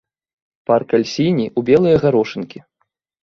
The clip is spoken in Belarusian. Паркаль сіні ў белыя гарошынкі.